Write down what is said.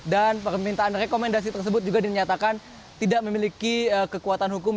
dan permintaan rekomendasi tersebut juga dinyatakan tidak memiliki kekuatan hukum